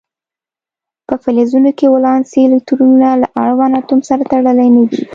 په فلزونو کې ولانسي الکترونونه له اړوند اتوم سره تړلي نه وي.